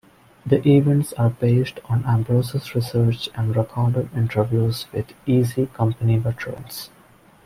The events are based on Ambrose's research and recorded interviews with Easy Company veterans.